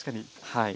はい。